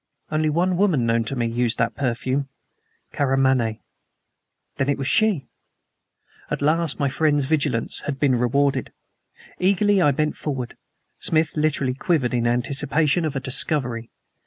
Only one woman known to me used that perfume Karamaneh. Then it was she! At last my friend's vigilance had been rewarded. Eagerly I bent forward. Smith literally quivered in anticipation of a discovery.